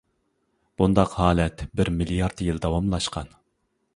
بۇنداق ھالەت بىر مىليارد يىل داۋاملاشقان.